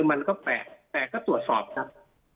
มันก็แปลกแปลกก็ตรวจสอบครับ